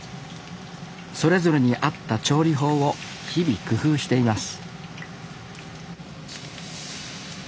それぞれに合った調理法を日々工夫しています